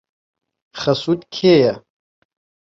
خەسووت کێیە؟